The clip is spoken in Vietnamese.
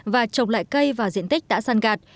và trồng lại cây và diện tích đã san gạt